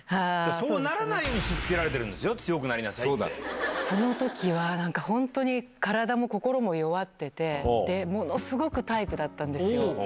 そうならないようにしつけられてるんですよ、強くなりなさいそのときは、なんか本当に、体も心も弱ってて、ものすごくタイプだったんですよ。